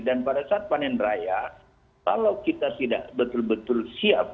dan pada saat panen raya kalau kita tidak betul betul siap